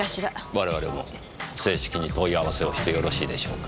我々も正式に問い合わせをしてよろしいでしょうか。